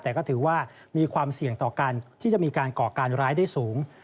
แต่ก็ถือว่ามีความเสี่ยงต่อการที่จะมีการก่อการร้ายได้สูง